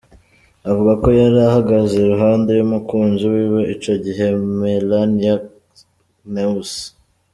Avuga ko yari ahagaze iruhande y’umukunzi wiwe ico gihe, Melania Knauss.